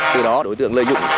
từ đó đối tượng lợi dụng